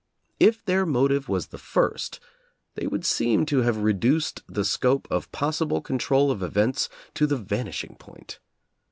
If their mo tive was the first, they would seem to have reduced the scope of possible control of events to the van ishing point.